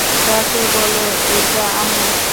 তাকে বলো এটা আম্মু।